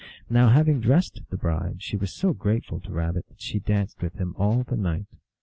Now having dressed the bride, she was so grateful to Rabbit that she danced with him all the night.